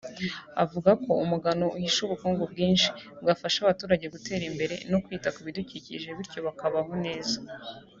avuga ko umugano uhishe ubukungu bwinshi bwafasha abaturage gutera imbere no kwita ku bidukikije bityo bakabaho neza